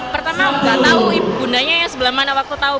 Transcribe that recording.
pertama nggak tahu bundanya sebelum anak waktu tahu